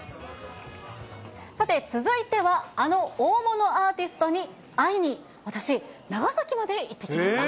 さて、続いては、あの大物アーティストに会いに私、長崎まで行ってきました。